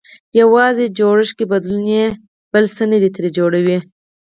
يوازې جوړښت کې بدلون يې بل څه نه ترې جوړوي.